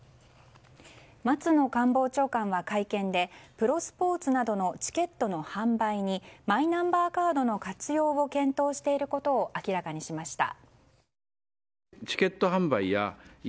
松野官房長官は会見でプロスポーツなどのチケットの販売にマイナンバーカードの活用を検討していることを明らかにしました。